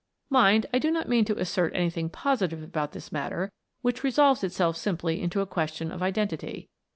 Mind, I do not mean to assei't anything positive about this matter, which resolves itself simply into a question of identity.